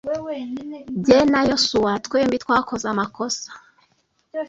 Jye na Yosuwa twembi twakoze amakosa.